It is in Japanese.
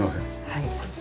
はい。